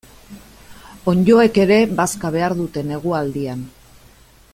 Onddoek ere bazka behar dute negualdian.